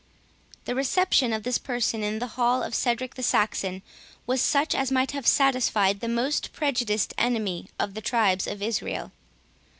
The reception of this person in the hall of Cedric the Saxon, was such as might have satisfied the most prejudiced enemy of the tribes of Israel.